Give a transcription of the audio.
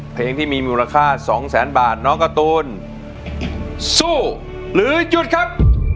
เพลงที่มีมูลค่าสองแสนบาทน้องการ์ตูนสู้หรือหยุดครับ